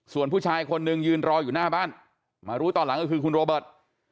ส่วนผู้ชายคนนึงยืนรออยู่หน้าบ้านมารู้ตอนหลังก็คือคุณโรเบิร์ต